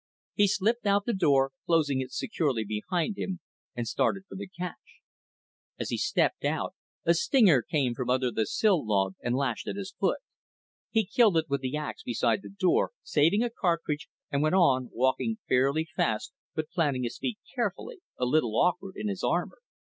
He slipped out the door, closing it securely behind him, and started for the cache. As he stepped out, a stinger came from under the sill log and lashed at his foot. He killed it with the ax beside the door, saving a cartridge, and went on, walking fairly fast but planting his feet carefully, a little awkward in his armor.